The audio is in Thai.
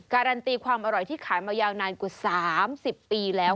การันตีความอร่อยที่ขายมายาวนานกว่า๓๐ปีแล้ว